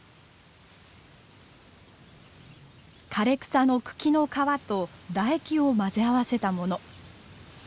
枯れ草の茎の皮と唾液を混ぜ合わせたもの。